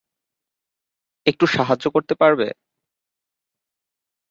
একটু সাহায্য করতে পারবে?